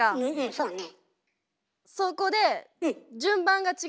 そうね。